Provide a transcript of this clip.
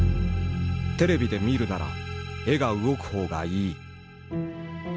「テレビで見るなら絵が動くほうがいい」。